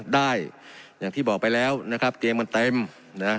ได้อย่างที่บอกไปแล้วนะครับเกมมันเต็มนะ